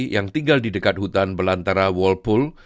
yang tinggal di dekat hutan belantara walpul